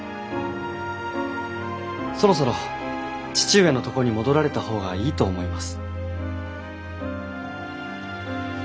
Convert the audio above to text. そろそろ父上の所に戻られたほうがいいと思います。